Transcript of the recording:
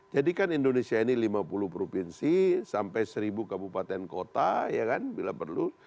jadi kan indonesia ini lima puluh provinsi sampai seribu kabupaten kota ya kan bila perlu